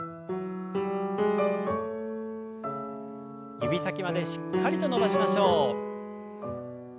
指先までしっかりと伸ばしましょう。